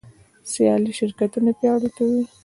سیالي شرکتونه پیاوړي کوي.